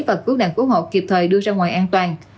và cứu nạn cứu hộ kịp thời đưa ra ngoài an toàn